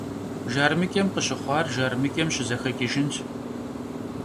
Jjarmıç'em khışıxhuar jjarmıç'em şızexeç'ıjjınş.